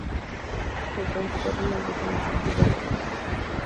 Se considera la iglesia más antigua de Alemania.